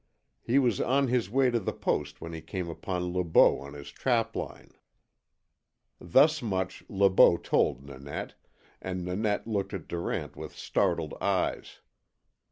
He was on his way to the Post when he came upon Le Beau on his trapline. Thus much Le Beau told Nanette, and Nanette looked at Durant with startled eyes.